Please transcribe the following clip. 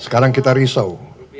sekarang kita risau